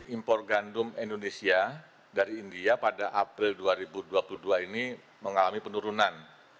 impor gandum indonesia dari india pada april dua ribu dua puluh dua ini mengalami penurunan